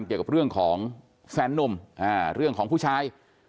เกี่ยวกับเรื่องของแฟนนุ่มเรื่องของผู้ชาย